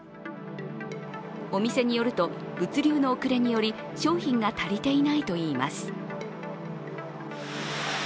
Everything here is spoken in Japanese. お店によると物流の遅れにより商品が足りていないといいます。